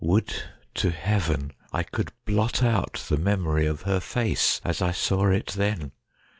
Would to heaven I could blot out the memory of her face as I saw it then